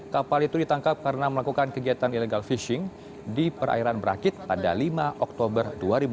kapal itu ditangkap karena melakukan kegiatan illegal fishing di perairan berakit pada lima oktober dua ribu dua puluh